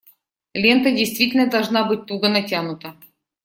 Лента действительно должна быть туго натянута.